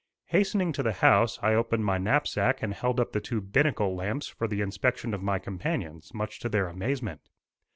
Hastening to the house I opened my knapsack and held up the two binnacle lamps for the inspection of my companions, much to their amazement.